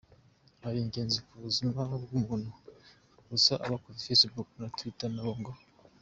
ari ingenzi ku buzima bwumuntu gusa abakoze facebook na twitter nabo ngo.